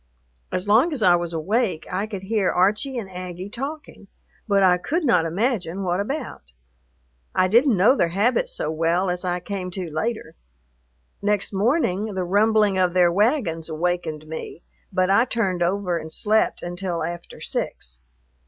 As long as I was awake I could hear Archie and Aggie talking, but I could not imagine what about. I didn't know their habits so well as I came to later. Next morning the rumbling of their wagons awakened me, but I turned over and slept until after six.